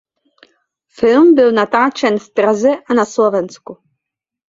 Film byl natáčen v Praze a na Slovensku.